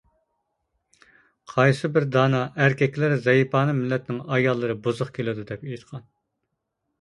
قايسىبىر دانا: «ئەركەكلىرى زەيپانە مىللەتنىڭ ئاياللىرى بۇزۇق كېلىدۇ» دەپ ئېيتقان.